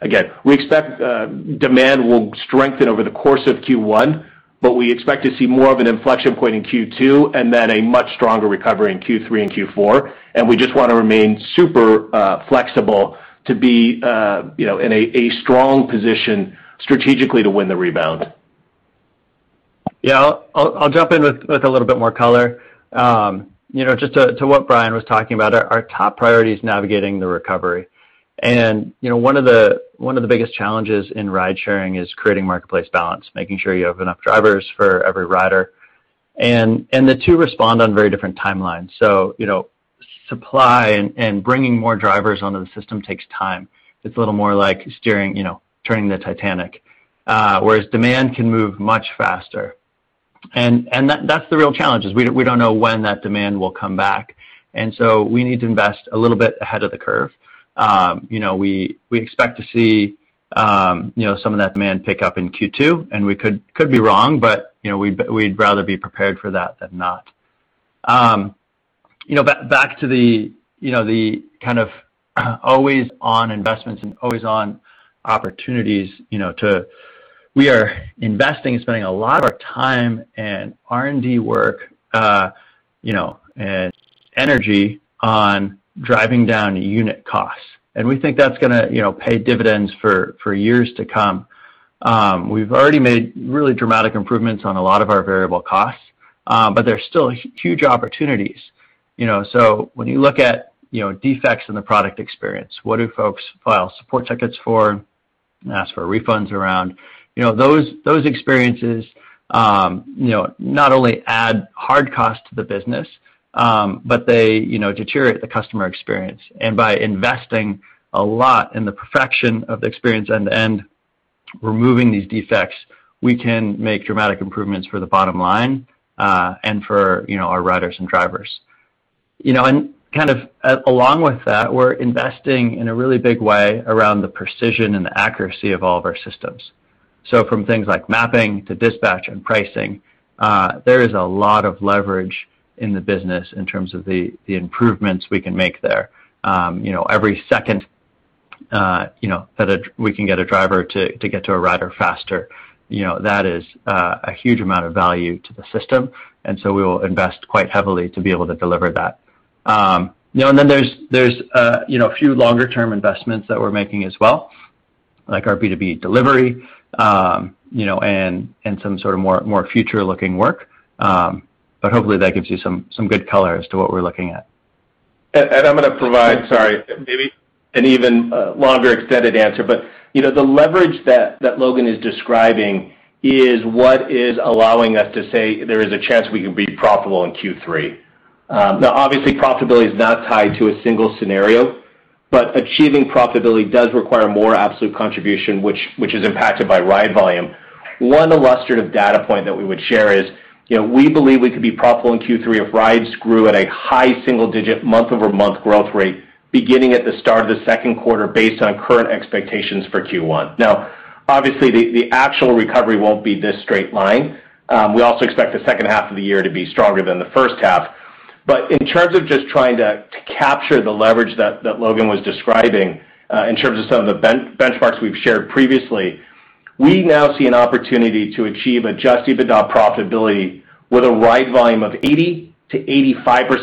Again, we expect demand will strengthen over the course of Q1, but we expect to see more of an inflection point in Q2, and then a much stronger recovery in Q3 and Q4. We just want to remain super flexible to be in a strong position strategically to win the rebound. Yeah. I'll jump in with a little bit more color. Just to what Brian was talking about, our top priority is navigating the recovery. One of the biggest challenges in ride-sharing is creating marketplace balance, making sure you have enough drivers for every rider. The two respond on very different timelines. Supply and bringing more drivers onto the system takes time. It's a little more like steering, turning the Titanic. Whereas demand can move much faster. That's the real challenge, is we don't know when that demand will come back. We need to invest a little bit ahead of the curve. We expect to see some of that demand pick up in Q2, and we could be wrong, but we'd rather be prepared for that than not. Back to the kind of always-on investments and always-on opportunities, we are investing and spending a lot of our time and R&D work, and energy on driving down unit costs. We think that's going to pay dividends for years to come. We've already made really dramatic improvements on a lot of our variable costs, but there's still huge opportunities. When you look at defects in the product experience, what do folks file support tickets for and ask for refunds around? Those experiences not only add hard cost to the business, but they deteriorate the customer experience. By investing a lot in the perfection of the experience end-to-end, removing these defects, we can make dramatic improvements for the bottom line, and for our riders and drivers. Kind of along with that, we're investing in a really big way around the precision and the accuracy of all of our systems. From things like mapping to dispatch and pricing, there is a lot of leverage in the business in terms of the improvements we can make there. Every second that we can get a driver to get to a rider faster, that is a huge amount of value to the system, we will invest quite heavily to be able to deliver that. There's a few longer-term investments that we're making as well, like our B2B delivery, and some sort of more future-looking work. Hopefully, that gives you some good color as to what we're looking at. I'm going to provide, sorry, maybe an even longer extended answer, but the leverage that Logan is describing is what is allowing us to say there is a chance we can be profitable in Q3. Obviously profitability is not tied to a single scenario, but achieving profitability does require more absolute contribution, which is impacted by ride volume. One illustrative data point that we would share is, we believe we could be profitable in Q3 if rides grew at a high single-digit month-over-month growth rate beginning at the start of the second quarter based on current expectations for Q1. Obviously the actual recovery won't be this straight line. We also expect the second half of the year to be stronger than the first half. In terms of just trying to capture the leverage that Logan was describing, in terms of some of the benchmarks we've shared previously, we now see an opportunity to achieve adjusted EBITDA profitability with a ride volume of 80%-85%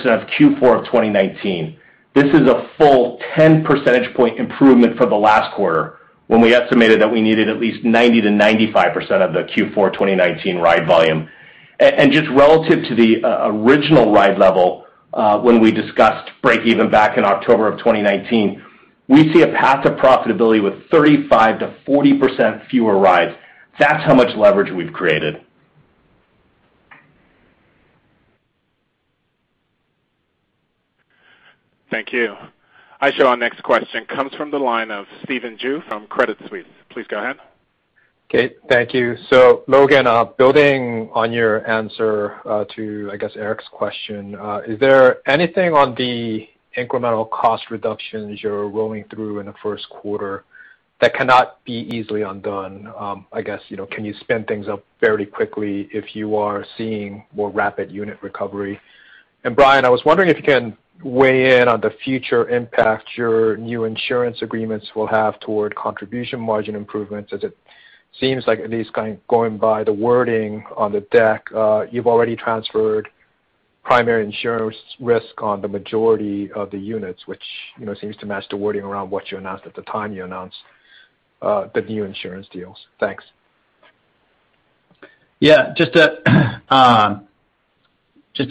of Q4 of 2019. This is a full 10 percentage point improvement for the last quarter, when we estimated that we needed at least 90%-95% of the Q4 2019 ride volume. Just relative to the original ride level, when we discussed breakeven back in October of 2019, we see a path to profitability with 35%-40% fewer rides. That's how much leverage we've created. Thank you. I show our next question comes from the line of Stephen Ju from Credit Suisse. Please go ahead. Okay, thank you. Logan, building on your answer to, I guess, Eric's question, is there anything on the incremental cost reductions you're rolling through in the first quarter that cannot be easily undone? I guess, can you spin things up fairly quickly if you are seeing more rapid unit recovery? Brian, I was wondering if you can weigh in on the future impact your new insurance agreements will have toward contribution margin improvements, as it seems like, at least going by the wording on the deck, you've already transferred primary insurance risk on the majority of the units. Which seems to match the wording around what you announced at the time you announced the new insurance deals. Thanks. Just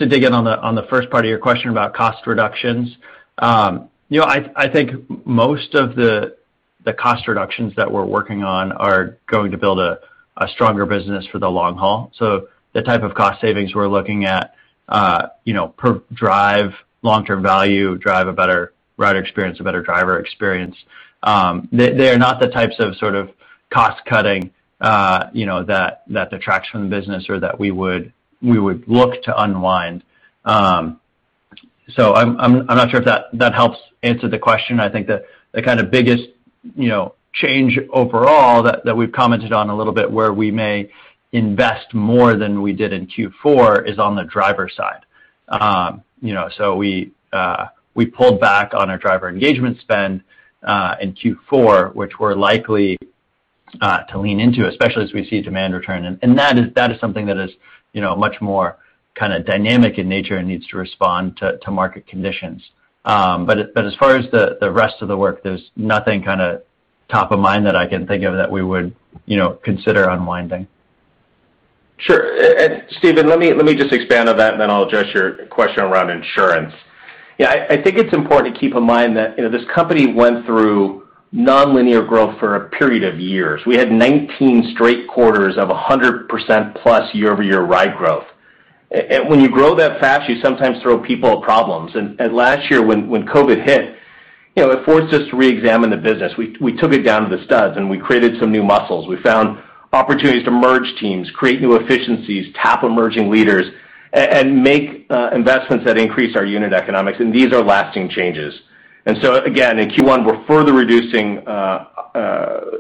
to dig in on the first part of your question about cost reductions. I think most of the cost reductions that we're working on are going to build a stronger business for the long haul. The type of cost savings we're looking at per drive, long-term value, drive a better rider experience, a better driver experience, they are not the types of sort of cost-cutting that detracts from the business or that we would look to unwind. I'm not sure if that helps answer the question. I think the kind of biggest change overall that we've commented on a little bit where we may invest more than we did in Q4 is on the driver side. We pulled back on our driver engagement spend in Q4, which we're likely to lean into, especially as we see demand return, and that is something that is much more kind of dynamic in nature and needs to respond to market conditions. As far as the rest of the work, there's nothing kind of top of mind that I can think of that we would consider unwinding. Sure. Stephen, let me just expand on that, and then I'll address your question around insurance. I think it's important to keep in mind that this company went through nonlinear growth for a period of years. We had 19 straight quarters of 100%+ year-over-year ride growth. When you grow that fast, you sometimes throw people at problems, and last year when COVID-19 hit, it forced us to reexamine the business. We took it down to the studs, and we created some new muscles. We found opportunities to merge teams, create new efficiencies, tap emerging leaders, and make investments that increase our unit economics. These are lasting changes. Again, in Q1, we're further reducing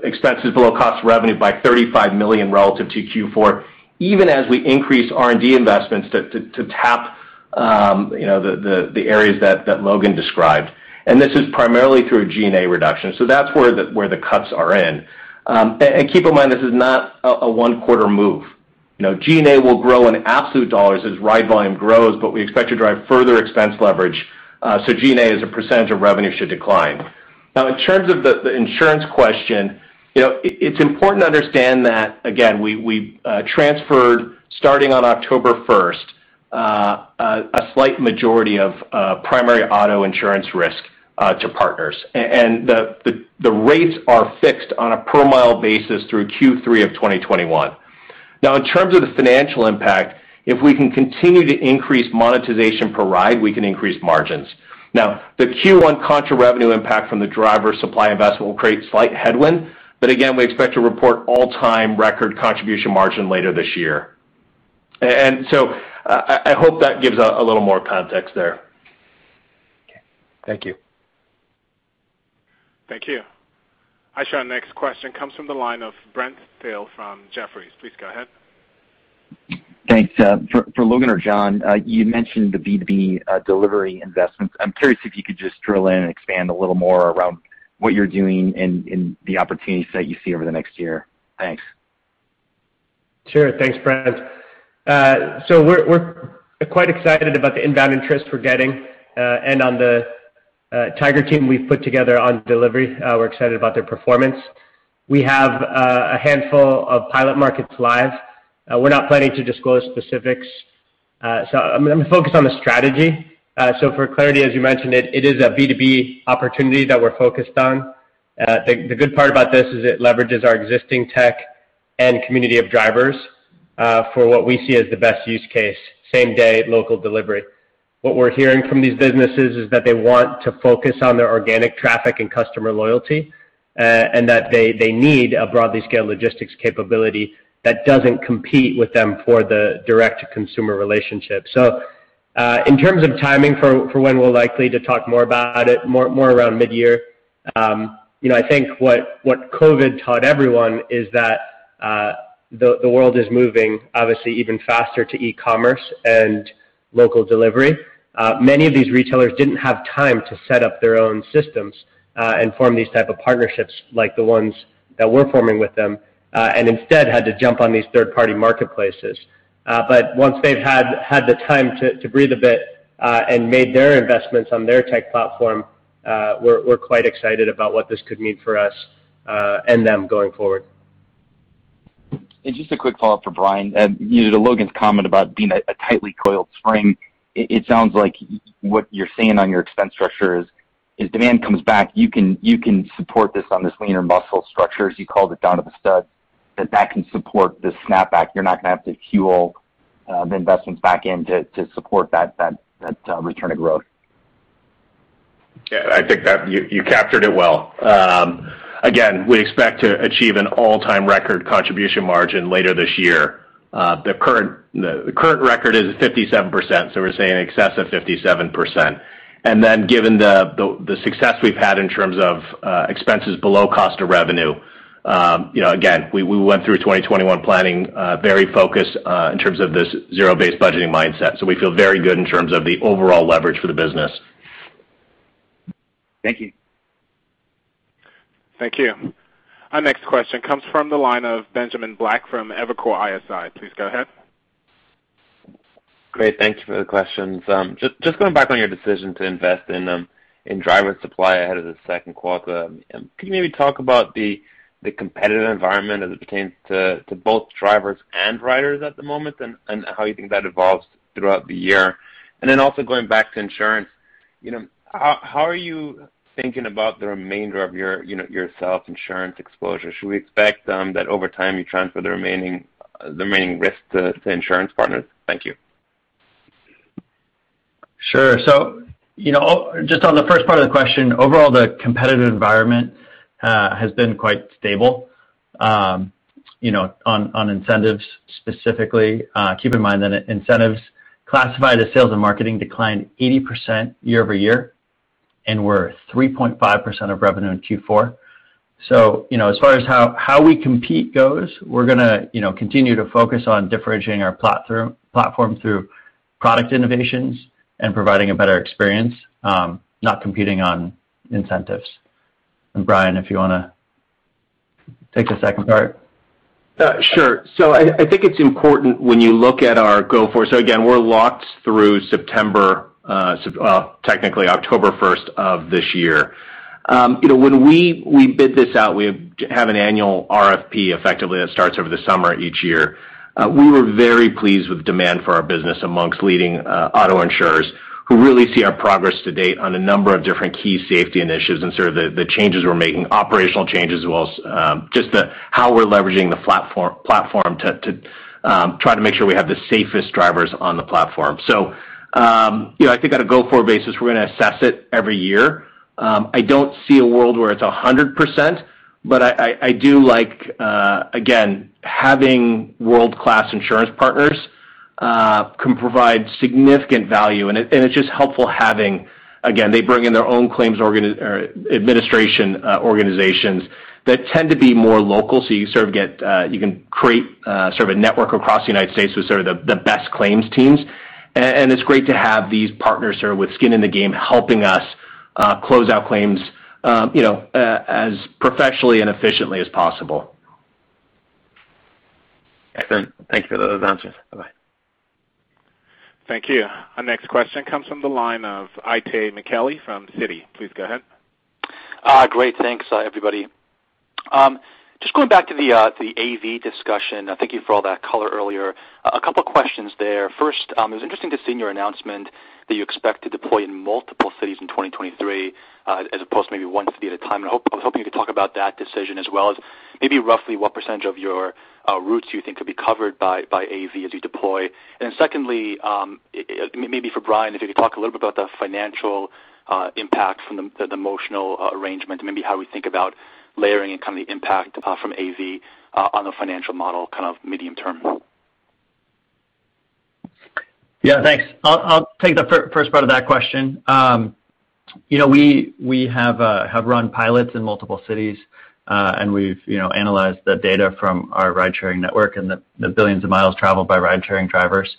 expenses below cost revenue by $35 million relative to Q4, even as we increase R&D investments to tap the areas that Logan described, and this is primarily through a G&A reduction, so that's where the cuts are in. Keep in mind, this is not a one-quarter move. G&A will grow in absolute dollars as ride volume grows, but we expect to drive further expense leverage, so G&A as a percentage of revenue should decline. In terms of the insurance question, it's important to understand that, again, we transferred, starting on October 1st, a slight majority of primary auto insurance risk to partners, and the rates are fixed on a per mile basis through Q3 of 2021. In terms of the financial impact, if we can continue to increase monetization per ride, we can increase margins. Now, the Q1 contra revenue impact from the driver supply investment will create slight headwind, but again, we expect to report all-time record contribution margin later this year. I hope that gives a little more context there. Okay. Thank you. Thank you. I show our next question comes from the line of Brent Thill from Jefferies. Please go ahead. Thanks. For Logan or John, you mentioned the B2B delivery investments. I'm curious if you could just drill in and expand a little more around what you're doing and the opportunities that you see over the next year. Thanks. Sure. Thanks, Brent. We're quite excited about the inbound interest we're getting. On the Tiger team we've put together on delivery, we're excited about their performance. We have a handful of pilot markets live. We're not planning to disclose specifics. I'm going to focus on the strategy. For clarity, as you mentioned, it is a B2B opportunity that we're focused on. The good part about this is it leverages our existing tech and community of drivers, for what we see as the best use case, same-day local delivery. What we're hearing from these businesses is that they want to focus on their organic traffic and customer loyalty, and that they need a broadly scaled logistics capability that doesn't compete with them for the direct-to-consumer relationship. In terms of timing for when we're likely to talk more about it, more around mid-year. I think what COVID-19 taught everyone is that the world is moving obviously even faster to e-commerce and local delivery. Many of these retailers didn't have time to set up their own systems, and form these type of partnerships like the ones that we're forming with them. Instead had to jump on these third-party marketplaces. Once they've had the time to breathe a bit, and made their investments on their tech platform, we're quite excited about what this could mean for us, and them going forward. Just a quick follow-up for Brian. To Logan's comment about being a tightly coiled spring, it sounds like what you're saying on your expense structure is, as demand comes back, you can support this on this leaner muscle structure, as you called it, down to the studs, that can support the snapback. You're not going to have to fuel the investments back in to support that return to growth. Yeah, I think that you captured it well. We expect to achieve an all-time record contribution margin later this year. The current record is 57%. We're saying in excess of 57%. Given the success we've had in terms of expenses below cost of revenue, again, we went through 2021 planning, very focused in terms of this zero-based budgeting mindset. We feel very good in terms of the overall leverage for the business. Thank you. Thank you. Our next question comes from the line of Benjamin Black from Evercore ISI. Please go ahead. Great. Thank you for the questions. Just going back on your decision to invest in driver supply ahead of the second quarter, can you maybe talk about the competitive environment as it pertains to both drivers and riders at the moment, and how you think that evolves throughout the year? Also going back to insurance, how are you thinking about the remainder of your self-insurance exposure? Should we expect that over time you transfer the remaining risk to insurance partners? Thank you. Sure. Just on the first part of the question, overall, the competitive environment has been quite stable on incentives specifically. Keep in mind that incentives classified as sales and marketing declined 80% year over year, and were 3.5% of revenue in Q4. As far as how we compete goes, we're going to continue to focus on differentiating our platform through product innovations and providing a better experience, not competing on incentives. Brian, if you want to take the second part. Sure. I think it's important when you look at our go forward. Again, we're locked through September, technically October 1st of this year. When we bid this out, we have an annual RFP, effectively, that starts over the summer each year. We were very pleased with demand for our business amongst leading auto insurers who really see our progress to date on a number of different key safety initiatives and sort of the changes we're making, operational changes, as well as just how we're leveraging the platform to try to make sure we have the safest drivers on the platform. I think on a go-forward basis, we're going to assess it every year. I don't see a world where it's 100%, but I do like, again, having world-class insurance partners can provide significant value, and it's just helpful having. They bring in their own claims administration organizations that tend to be more local, so you can create a network across the United States with sort of the best claims teams. It's great to have these partners with skin in the game, helping us close out claims as professionally and efficiently as possible. Excellent. Thank you for those answers. Bye-bye. Thank you. Our next question comes from the line of Itay Michaeli from Citi. Please go ahead. Great. Thanks, everybody. Just going back to the AV discussion, thank you for all that color earlier. A couple questions there. First, it was interesting to see in your announcement that you expect to deploy in multiple cities in 2023, as opposed to maybe one city at a time. I was hoping you could talk about that decision as well as maybe roughly what percentage of your routes you think could be covered by AV as you deploy. Secondly, maybe for Brian, if you could talk a little bit about the financial impact from the Motional arrangement, maybe how we think about layering and the impact from AV on the financial model medium term. Yeah, thanks. I'll take the first part of that question. We have run pilots in multiple cities, and we've analyzed the data from our ride-sharing network and the billions of miles traveled by ride-sharing drivers.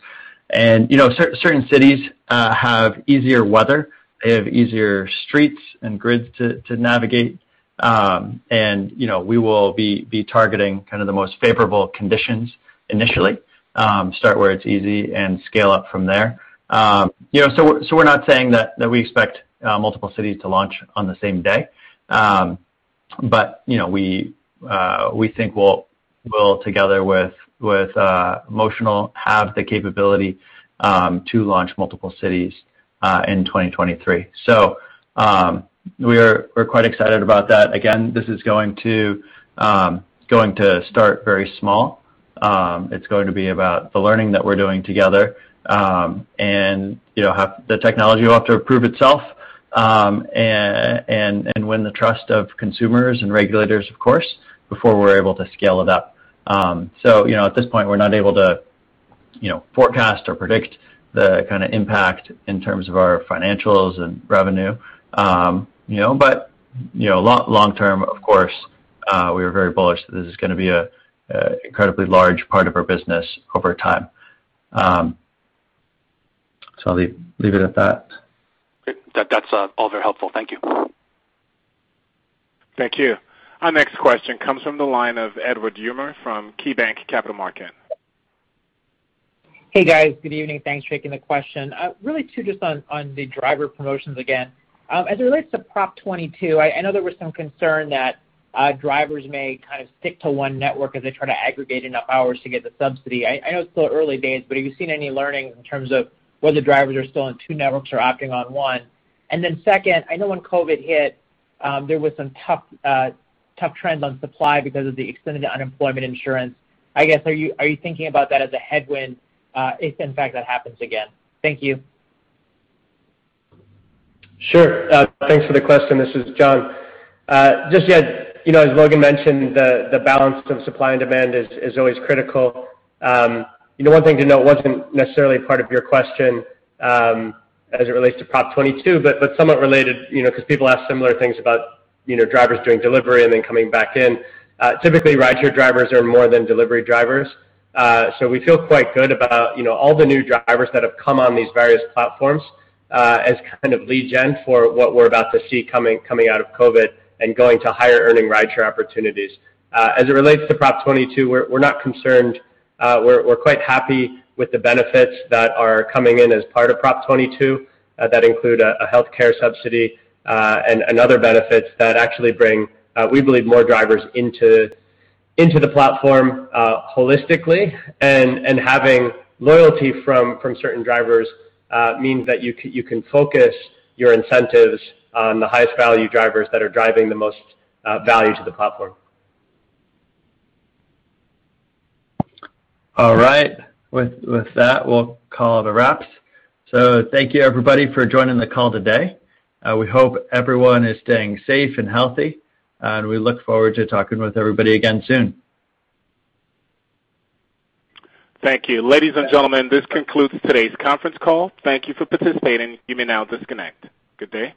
Certain cities have easier weather, they have easier streets and grids to navigate. We will be targeting kind of the most favorable conditions initially, start where it's easy and scale up from there. We're not saying that we expect multiple cities to launch on the same day. We think we'll, together with Motional, have the capability to launch multiple cities in 2023. We're quite excited about that. Again, this is going to start very small. It's going to be about the learning that we're doing together. The technology will have to prove itself, and win the trust of consumers and regulators, of course, before we're able to scale it up. At this point, we're not able to forecast or predict the kind of impact in terms of our financials and revenue. Long-term, of course, we are very bullish that this is going to be an incredibly large part of our business over time. I'll leave it at that. Great. That's all very helpful. Thank you. Thank you. Our next question comes from the line of Edward Yruma from KeyBanc Capital Markets. Hey, guys. Good evening. Thanks for taking the question. Really two just on the driver promotions again. As it relates to Prop 22, I know there was some concern that drivers may kind of stick to one network as they try to aggregate enough hours to get the subsidy. Have you seen any learning in terms of whether drivers are still on two networks or opting on one? Second, I know when COVID-19 hit, there was some tough trends on supply because of the extended unemployment insurance. I guess, are you thinking about that as a headwind if, in fact, that happens again? Thank you. Sure. Thanks for the question. This is John. Just yeah, as Logan mentioned, the balance of supply and demand is always critical. One thing to note, what's necessarily part of your question as it relates to Prop 22, but somewhat related because people ask similar things about drivers doing delivery and then coming back in. Typically, rideshare drivers are more than delivery drivers. We feel quite good about all the new drivers that have come on these various platforms as kind of lead gen for what we're about to see coming out of COVID and going to higher-earning rideshare opportunities. As it relates to Prop 22, we're not concerned. We're quite happy with the benefits that are coming in as part of Prop 22 that include a healthcare subsidy and other benefits that actually bring, we believe, more drivers into the platform holistically. Having loyalty from certain drivers means that you can focus your incentives on the highest-value drivers that are driving the most value to the platform. All right. With that, we'll call it a wrap. Thank you, everybody, for joining the call today. We hope everyone is staying safe and healthy, and we look forward to talking with everybody again soon. Thank you. Ladies and gentlemen, this concludes today's conference call. Thank you for participating. You may now disconnect. Good day.